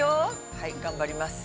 ◆はい、頑張ります。